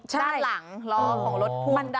ด้านหลังล้อของรถพ่วง